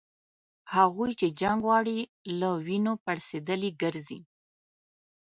هغوی چي جنګ غواړي له وینو پړسېدلي ګرځي